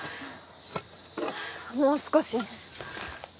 もう少し。